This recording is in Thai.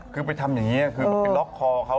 ถึงไปทำแบบงี้ก็ร็อกคอเขา